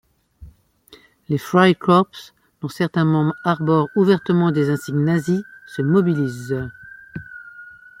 Les Freikorps, dont certains membres arborent ouvertement des insignes nazis, se mobilisent.